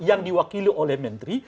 yang diwakili oleh menteri